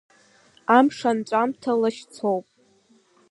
Амш анҵәамҭа лашьцоуп.